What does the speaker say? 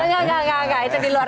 nggak nggak nggak itu di luar di luar